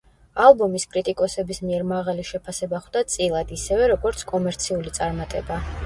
ალბომის კრიტიკოსების მიერ მაღალი შეფასება ხვდა წილად, ისევე, როგორც კომერციული წარმატება.